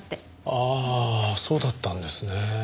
ああそうだったんですね。